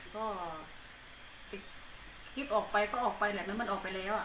ก็คลิปออกไปก็ออกไปแหละแล้วมันออกไปแล้ว